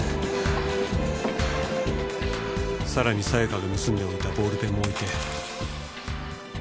さらに沙也加が盗んでおいたボールペンも置いて。